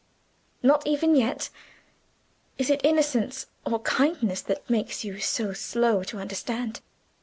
Not even yet? Is it innocence or kindness that makes you so slow to understand?